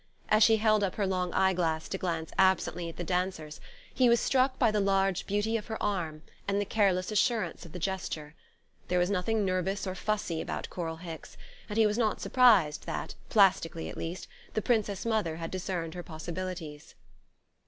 As she held up her long eye glass to glance absently at the dancers he was struck by the large beauty of her arm and the careless assurance of the gesture. There was nothing nervous or fussy about Coral Hicks; and he was not surprised that, plastically at least, the Princess Mother had discerned her possibilities.